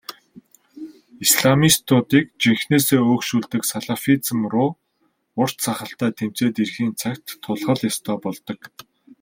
Исламистуудыг жинхэнээсээ өөгшүүлдэг салафизм руу урт сахалтай тэмцээд ирэхийн цагт тулах л ёстой болдог.